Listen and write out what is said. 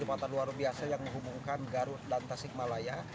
jembatan luar biasa yang menghubungkan garut dan tasikmalaya